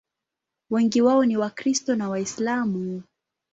Wengi wao ni Wakristo na Waislamu.